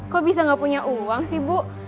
kok bisa gak punya uang sih bu